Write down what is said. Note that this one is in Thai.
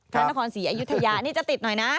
พระนครศรีอยุธยานี่จะติดหน่อยนะ